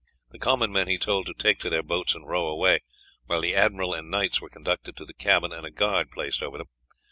The common men he told to take to their boats and row away, while the admiral and knights were conducted to the cabin, and a guard placed over them.